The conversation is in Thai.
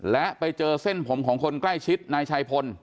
และไปเจอเส้นผมของคนใกล้ชิดนายชัยพล